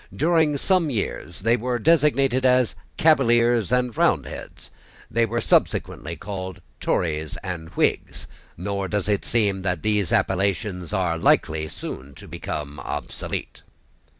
During some years they were designated as Cavaliers and Roundheads. They were subsequently called Tories and Whigs; nor does it seem that these appellations are likely soon to become obsolete.